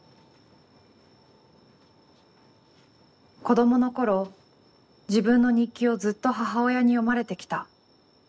「子どもの頃、自分の日記をずっと母親に読まれてきた。